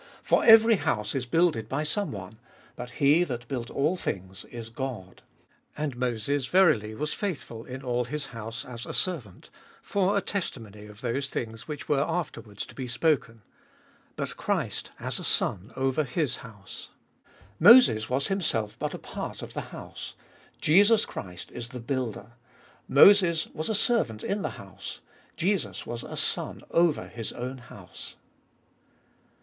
For every house is builded by some one ; but He that built all things is God. And Moses verily was faithful in all his house as a servant, for a testimony of those things which were afterwards to be spoken ; but Christ, as a Son over His house. Moses was himself but a part of the house : Jesus Christ is the builder. Moses was a servant in the house ; Jesus was a Son over His own house.